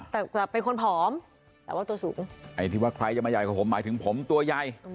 แต่เป็นคนผอมแต่ว่าตัวสูงไอ้ที่ว่าใครจะมาใหญ่กว่าผมหมายถึงผมตัวใหญ่